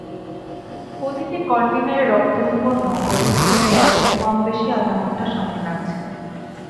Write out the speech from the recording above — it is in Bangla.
প্রতিটি কনটেইনারের রপ্তানি পণ্য ওজন করতে এখন কম-বেশি আধা ঘণ্টা সময় লাগছে।